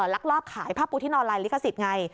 ลักลอบขายผ้าปูที่นอนลายลิขสิทธิ์ไง